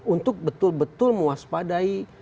untuk betul betul mewaspadai